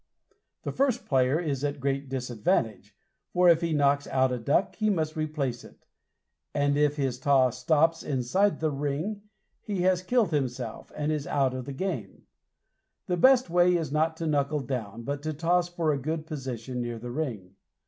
The first player is at a great disadvantage, for if he knocks out a duck he must replace it, and if his taw stops inside the ring he has killed himself, and is out of the game. The best way is not to knuckle down but to toss for a good position near the ring.